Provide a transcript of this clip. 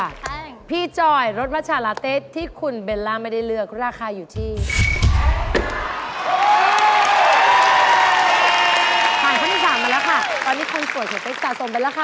อันนี้ควรสวยเฉพาะเม็ดสอบสมไปแล้วค่ะ